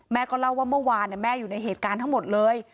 เล่าว่าเมื่อวานแม่อยู่ในเหตุการณ์ทั้งหมดเลย